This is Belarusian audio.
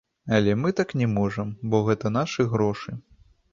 Але мы так не можам, бо гэта нашы грошы.